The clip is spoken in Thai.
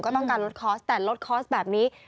ก็ต้องการลดคอร์สแต่ลดคอร์สแบบนี้